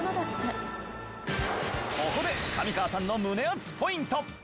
ここで上川さんの胸熱ポイント。